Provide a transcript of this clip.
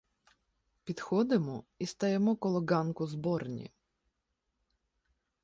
Підходимо і стаємо коло ґанку зборні.